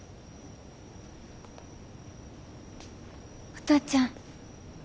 お父ちゃん？